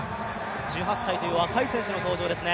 １８歳という若い選手の登場ですね。